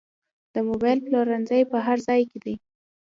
د موبایل پلورنځي په هر ځای کې دي